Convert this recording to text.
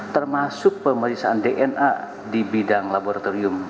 termasuk pemeriksaan dna di bidang laboratorium